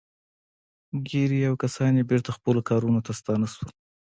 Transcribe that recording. ګيري او کسان يې بېرته خپلو کارونو ته ستانه شول.